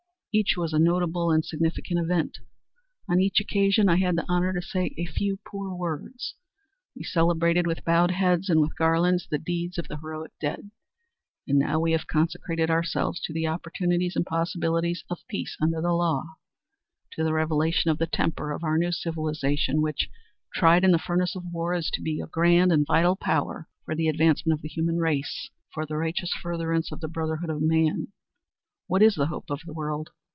Each was a notable and significant event. On each occasion I had the honor to say a few poor words. We celebrated with bowed heads and with garlands the deeds of the heroic dead, and now have consecrated ourselves to the opportunities and possibilities of peace under the law to the revelation of the temper of our new civilization which, tried in the furnace of war, is to be a grand and vital power for the advancement of the human race, for the righteous furtherance of the brotherhood of man. What is the hope of the world?"